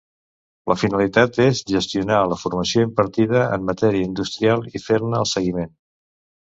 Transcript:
La finalitat és gestionar la formació impartida en matèria industrial i fer-ne el seguiment.